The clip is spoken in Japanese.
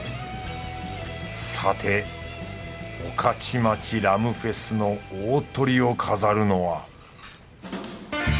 さて御徒町ラムフェスの大トリを飾るのは